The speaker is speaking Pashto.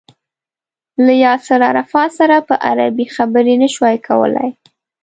له ياسر عرفات سره په عربي خبرې نه شوای کولای.